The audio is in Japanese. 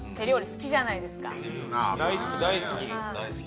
大好き大好き。